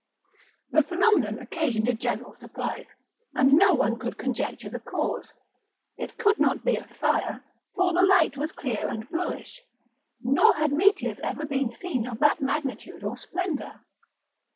The phenomenon occasioned a general surprise, and no one could conjecture the cause; it could not be a fire, for the light was clear and bluish, nor had meteors ever been seen of that magnitude or splendour.